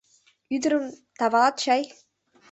— Ӱдырым тавалат чай!